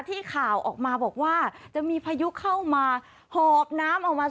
ข่าวออกมาบอกว่าจะมีพายุเข้ามาหอบน้ำออกมา